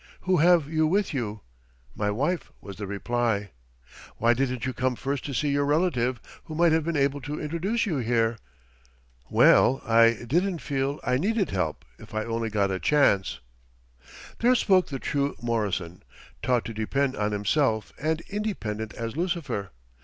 "Who have you with you?" "My wife," was the reply. "Why didn't you come first to see your relative who might have been able to introduce you here?" "Well, I didn't feel I needed help if I only got a chance." There spoke the true Morrison, taught to depend on himself, and independent as Lucifer.